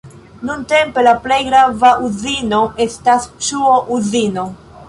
Nuntempe la plej grava uzino estas ŝuo-uzino.